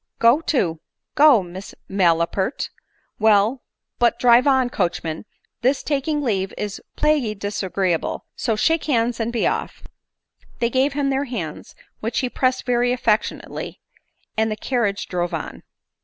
" Go to— go, Miss mal a pert. Well, but, drive on, coachman — this taking leave is plaguy disagreeable, so shake hands and be off." They gave him their hands, which he pressed very affectionately, and the carriage drove on.